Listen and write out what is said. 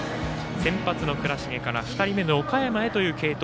先発の倉重から２人目の岡山へという継投。